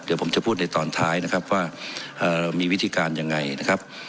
เดี๋ยวผมจะพูดในตอนท้ายนะครับว่ามีวิธีการยังไงนะครับ